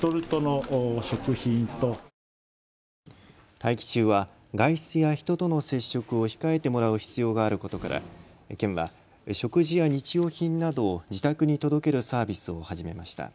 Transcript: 待機中は外出や人との接触を控えてもらう必要があることから県は食事や日用品などを自宅に届けるサービスを始めました。